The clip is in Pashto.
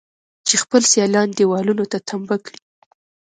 چې خپل سيالان دېوالونو ته تمبه کړي.